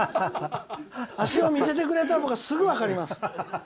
足を見せてくれたらすぐ分かります。